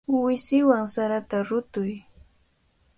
Uusiwan sarata rutuy.